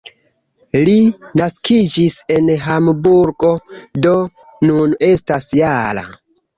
Li naskiĝis en Hamburgo, do nun estas -jara.